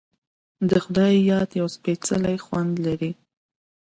د خدای یاد یو سپیڅلی خوند لري.